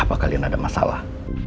apakah kalian ada masalah